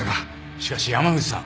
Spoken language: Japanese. しかし山口さん